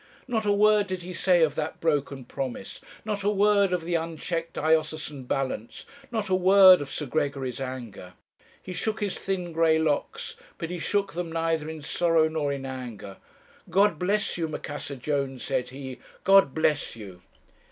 Not a word did he say of that broken promise, not a word of the unchecked diocesan balance, not a word of Sir Gregory's anger. He shook his thin grey locks; but he shook them neither in sorrow nor in anger. 'God bless you, Macassar Jones,', said he, 'God bless you!'